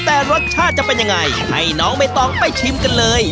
แต่รสชาติจะเป็นยังไงให้น้องใบตองไปชิมกันเลย